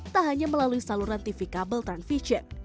tak hanya melalui saluran tv kabel transvision